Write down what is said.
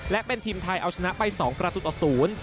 และเป็นทีมไทยเอาชนะไป๒ประตูต่อศูนย์